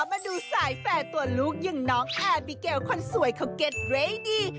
มาดูสายแฟร์ตัวลูกอย่างน้องแอร์บิเกลคนสวยเขาเก็ตเรทดี